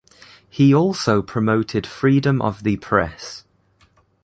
He also promoted freedom of the press.